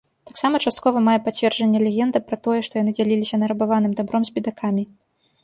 Таксама часткова мае пацверджанне легенда пра тое, што яны дзяліліся нарабаваным дабром з бедакамі.